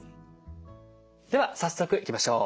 では早速いきましょう。